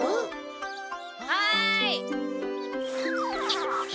はい！